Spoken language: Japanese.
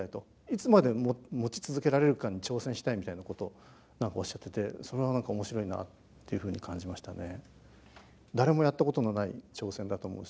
いつまで持ち続けられるかに挑戦したいみたいなことおっしゃっててそれが何か面白いなっていうふうに感じましたね。